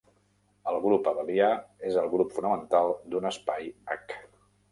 El grup abelià és el grup fonamental d'un espai H.